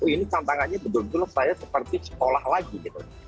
ini tantangannya betul betul saya seperti sekolah lagi gitu